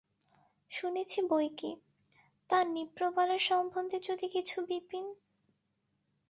শুনেছি বৈকি– তা নৃপবালার সম্বন্ধে যদি কিছু– বিপিন।